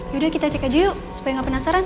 yaudah kita cek aja yuk supaya nggak penasaran